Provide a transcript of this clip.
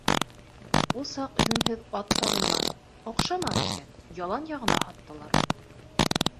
Ул саҡ йүнһеҙ ат та булманы, оҡшаманы икән, ялан яғына һаттылар.